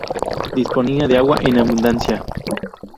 Disponía de agua en abundancia.